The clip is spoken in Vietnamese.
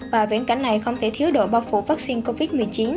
và viễn cảnh này không thể thiếu độ bao phủ vaccine covid một mươi chín